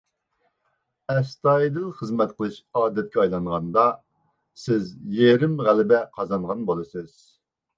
ئەستايىدىل خىزمەت قىلىش ئادەتكە ئايلانغاندا، سىز يېرىم غەلىبە قازانغان بولىسىز.